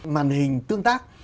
màn hình tương tác